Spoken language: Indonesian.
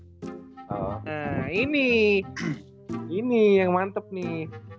nah ini ini yang mantep nih